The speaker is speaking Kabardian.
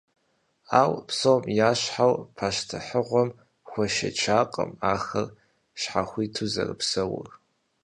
Ауэ, псом ящхьэу, пащтыхьыгъуэм хуэшэчакъым ахэр щхьэхуиту зэрыпсэур.